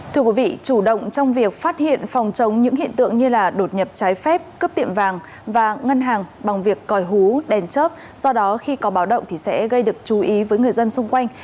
thưa quý vị chủ động trong việc phát hiện phòng chống những hiện tượng như đột nhập trái phép cướp tiệm vàng và ngân hàng bằng việc còi hú đèn chớp do đó khi có báo động thì sẽ gây được chú ý với người dân xung quanh